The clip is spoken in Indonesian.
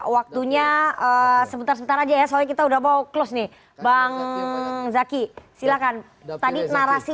waktunya sebentar sebentar aja ya soalnya kita udah mau close nih bang zaki silakan tadi narasi